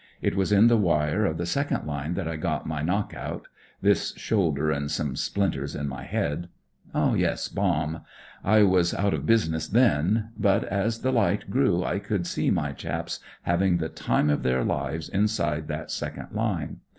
It was in the wire of the second line that I got my knock out; this shoulder, and some splinters in my head. Yes, bomb. I was out of business then; but as the Hght grew I could see my chaps having the time of their lives inside that second line.